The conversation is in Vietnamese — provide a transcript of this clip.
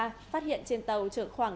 phát hiện trên tàu